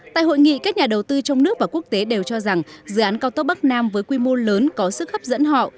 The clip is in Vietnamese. tại hội nghị các nhà đầu tư trong nước và quốc tế đều cho rằng dự án cao tốc bắc nam với quy mô lớn có sức hấp dẫn họ